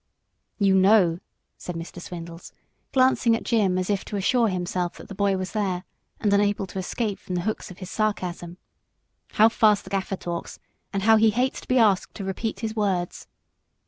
"You know," said Mr. Swindles, glancing at Jim as if to assure himself that the boy was there and unable to escape from the hooks of his sarcasm, "how fast the Gaffer talks, and how he hates to be asked to repeat his words.